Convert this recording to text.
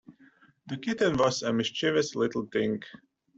The kitten was a mischievous little thing.